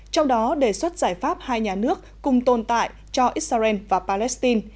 trong đó đề xuất giải pháp hai nhà nước cùng tồn tại cho israel và palestine